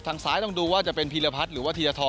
ทางซ้ายต้องดูว่าจะเป็นพีระพัฒน์หรือว่าทีลธรนด์